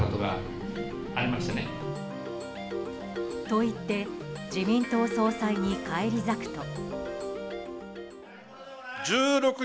と言って、自民党総裁に返り咲くと。